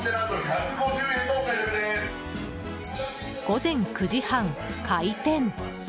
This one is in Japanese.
午前９時半開店。